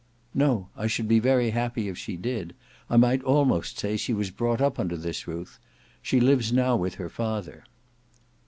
"No; I should be very happy if she did. I might almost say she was brought up under this roof. She lives now with her father."